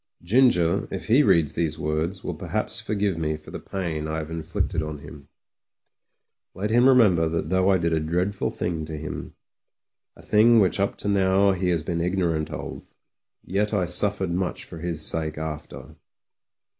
Ginger, if he reads these words, will per haps forgive me for the pain I have inflicted on him. 98 MEN, WOMEN AND GUNS Let him remember that though I did a dreadful thing to him, a thing which up to now he has been ignorant of, yet I suffered mudi for his sake after.